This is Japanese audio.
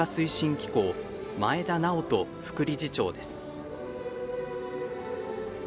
機構前田直登副理事長です。